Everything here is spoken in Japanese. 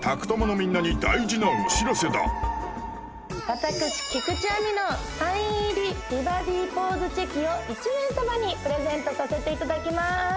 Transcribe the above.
私菊地亜美のサイン入り美バディポーズチェキを１名様にプレゼントさせていただきます